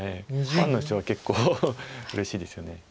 ファンの人は結構うれしいですよね。